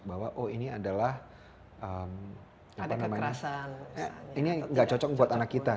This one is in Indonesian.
bahwa oh ini adalah apa namanya ini enggak cocok buat anak kita